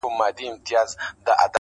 دا تصور نه کوي